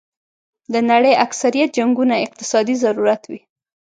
د نړۍ اکثریت جنګونه اقتصادي ضرورت وي.